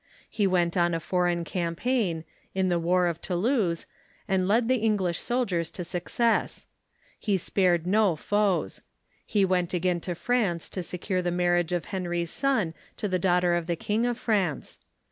He went on a foreign cam paign, in the war of Toulouse, and led the English soldiers to success. He spared no foes. He Avent again to France to secure the marriage of Henry's son to the daughter of the King of France.